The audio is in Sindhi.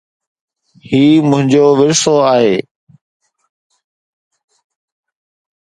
هي منهنجو ورثو آهي